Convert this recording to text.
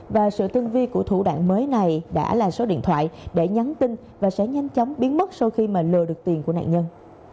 và sự tương vi của thủ đoạn mới này đã là số điện thoại để nhắn tin và sẽ nhanh chóng biến mất sau khi mà lừa được tiền của nạn nhân